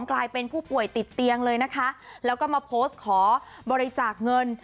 กลายเป็นผู้ป่วยติดเตียงเลยนะคะแล้วก็มาโพสต์ขอบริจาคเงิน